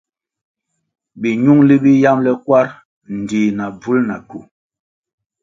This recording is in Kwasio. Minungʼli bi yambʼle kwarʼ ndtih na bvul na kywu.